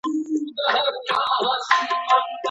ولي هڅاند سړی د پوه سړي په پرتله ډېر مخکي ځي؟